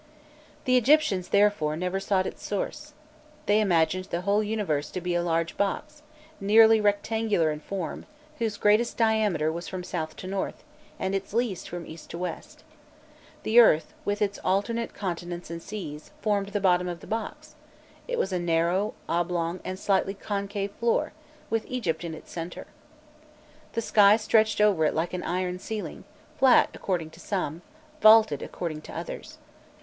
The Egyptians therefore never sought its source. They imagined the whole universe to be a large box, nearly rectangular in form, whose greatest diameter was from south to north, and its least from east to west. The earth, with its alternate continents and seas, formed the bottom of the box; it was a narrow, oblong, and slightly concave floor, with Egypt in its centre. The sky stretched over it like an iron ceiling, flat according to some, vaulted according to others.